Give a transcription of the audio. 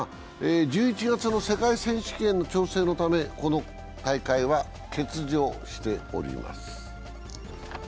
１１月の世界選手権への調整のためこの大会は欠場しております。